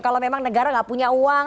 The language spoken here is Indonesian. kalau memang negara nggak punya uang